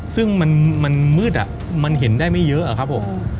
ซึ่งมันมืดมันเห็นได้ไม่เยอะอะครับผม